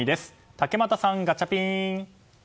竹俣さん、ガチャピン。